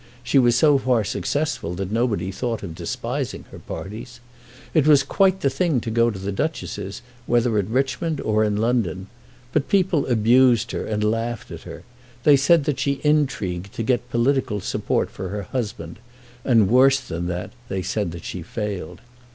She was so far successful that nobody thought of despising her parties. It was quite the thing to go to the Duchess's, whether at Richmond or in London. But people abused her and laughed at her. They said that she intrigued to get political support for her husband, and, worse than that, they said that she failed.